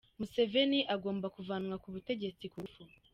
Museveni agomba kuvanwa ku butegetsi ku ngufu